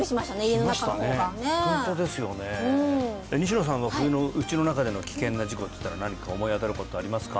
うん西野さんは冬の家の中での危険な事故っていったら何か思い当たることありますか？